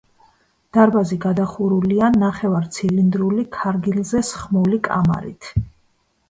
დარბაზი გადახურულია ნახევარცილინდრული, ქარგილზე სხმული კამარით.